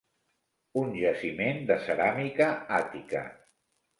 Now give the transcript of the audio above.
Un jaciment de ceràmica àtica.